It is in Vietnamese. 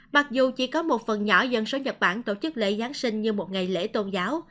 mặc dù chỉ có một phần nhỏ dân số nhật bản tổ chức lễ giáng sinh như một ngày lễ tôn giáo